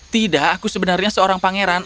tidak aku sebenarnya seorang pangeran